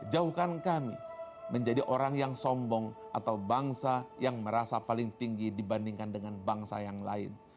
jauhkan kami menjadi orang yang sombong atau bangsa yang merasa paling tinggi dibandingkan dengan bangsa yang lain